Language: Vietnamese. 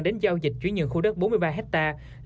đến giao dịch chuyển nhận khu đất bốn mươi ba hectare